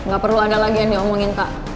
gak perlu ada lagi yang diomongin kak